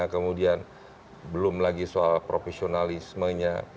kemudian belum lagi soal profesionalismenya